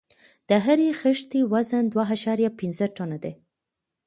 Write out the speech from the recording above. د هرې خښتې وزن دوه اعشاریه پنځه ټنه دی.